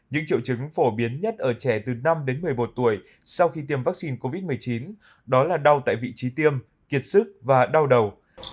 những triệu chứng phổ biến nhất ở trẻ từ năm đến một mươi một tuổi sau khi tiêm vaccine covid một mươi chín đó là đau tại vị trí tiêm kiệt sức và đau đầu